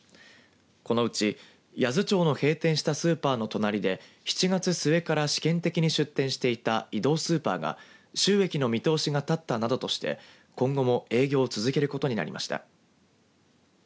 このうち八頭町の閉店したスーパーの隣で７月末から試験的に出店していた移動スーパーが収益の見通しが立ったなどとして今後も営業を続けることになりました。